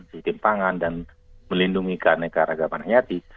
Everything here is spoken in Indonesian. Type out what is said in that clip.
dihidupkan pangan dan melindungi keaneka ragaman hayati